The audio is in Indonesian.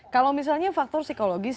kalau misalnya faktor psikologis